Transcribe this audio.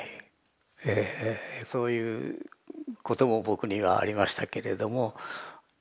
そういうことも僕にはありましたけれどもええ。